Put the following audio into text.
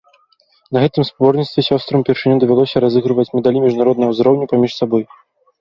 На гэтым спаборніцтве сёстрам упершыню давялося разыгрываць медалі міжнароднага ўзроўню паміж сабой.